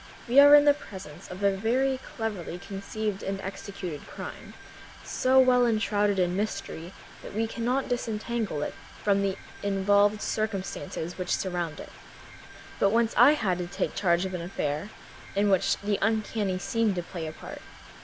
We are in the presence of a very cleverly conceived and executed crime, so well enshrouded in mystery that we cannot disentangle it from the involved circumstances which surround it. But once I had to take charge of an affair in which the uncanny seemed to play a part.